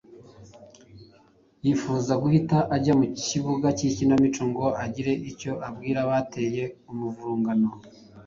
yifuza guhita ajya mu kibuga cy’ikinamico ngo agire icyo abwira abateye umuvurungano.